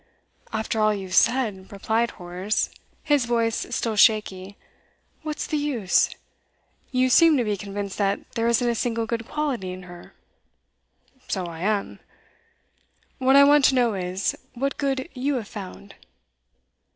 'After all you have said,' replied Horace, his voice still shaky, 'what's the use? You seem to be convinced that there isn't a single good quality in her.' 'So I am. What I want to know is, what good you have found.